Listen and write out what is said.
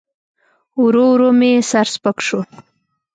ورو ورو مې سر سپک سو.